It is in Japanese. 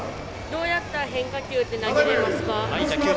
どうやったら変化球って投げれますか？